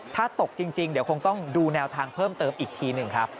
ถ้าตกจริงเดี๋ยวคงต้องดูแนวทางเพิ่มเติมอีกทีหนึ่งครับ